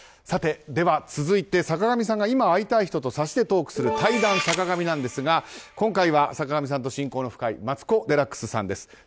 では、続いて坂上さんが今会いたい人とサシでトークする対談坂上なんですが今回は坂上さんと親交の深いマツコ・デラックスさんです。